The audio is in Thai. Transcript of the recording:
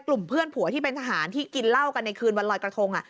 กลุ่มเพื่อนผัวที่เป็นทหารที่กินเหล้ากันในคืนวันลอยกระทง